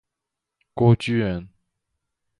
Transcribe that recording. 郭躬人。